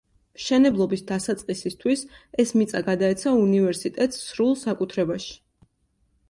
მშენებლობის დასაწყისისთვის ეს მიწა გადაეცა უნივერსიტეტს სრულ საკუთრებაში.